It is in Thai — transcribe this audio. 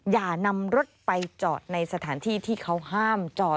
อย่านำรถไปจอดในสถานที่ที่เขาห้ามจอด